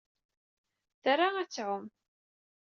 Tra ad tɛum.